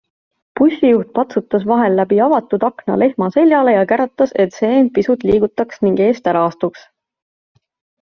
Bussijuht patsutas vahel läbi avatud akna lehma seljale ja käratas, et see end pisut liigutaks ning eest ära astuks.